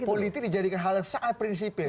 politik dijadikan hal yang sangat prinsipil